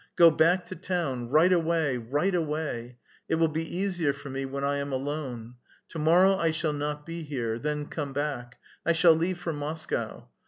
Go back to town, right away, right away 1 It will be easier for me when I am alooe. To morrow I shall not be here ; then come back. I shall leave for Moscow.